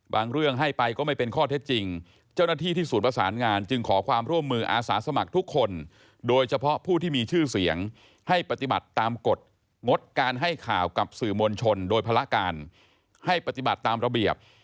เรื่องให้ไปก็ไม่เป็นข้อเท็จจริงเจ้าหน้าที่ที่ศูนย์ประสานงานจึงขอความร่วมมืออาสาสมัครทุกคนโดยเฉพาะผู้ที่มีชื่อเสียงให้ปฏิบัติตามกฎงดการให้ข่าวกับสื่อมวลชนโดยภาระการให้ปฏิบัติตามระเบียบ